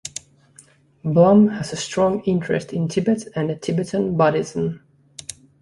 Blum has a strong interest in Tibet and Tibetan Buddhism.